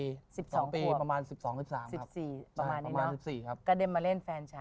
๑๒ขวบประมาณ๑๒๑๓ครับประมาณ๑๔ครับกระเด็นมาเล่นแฟนฉัน